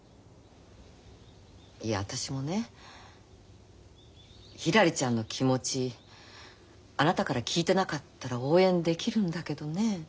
いや私もねひらりちゃんの気持ちあなたから聞いてなかったら応援できるんだけどねえ。